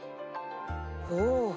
ほう。